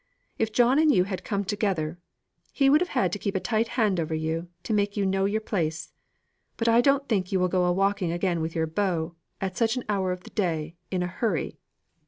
If John and you had come together, he would have had to keep a tight hand over you, to make you know your place. But I don't think you will go a walking again with your beau, at such an hour of the day, in a hurry.